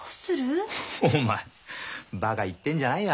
お前バカ言ってんじゃないよ